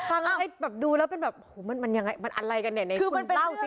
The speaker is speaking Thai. เออดูแล้วเป็นแบบมันยังไงมันอะไรกันเนี่ยคุณเล่าสิ